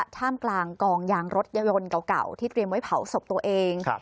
ท่ามกลางกองยางรถยนต์เก่าที่เตรียมไว้เผาศพตัวเอง